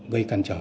gây cản trở